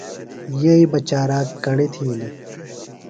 یئی بہ چاراک کڑی تِھیلیۡ۔